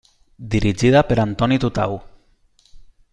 Dirigida per Antoni Tutau.